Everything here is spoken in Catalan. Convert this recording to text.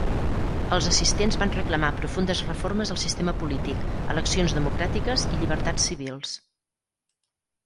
Els assistents van reclamar profundes reformes al sistema polític, eleccions democràtiques i llibertats civils.